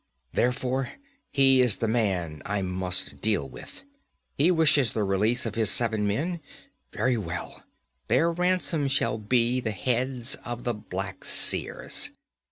Therefore he is the man I must deal with. He wishes the release of his seven men. Very well; their ransom shall be the heads of the Black Seers!'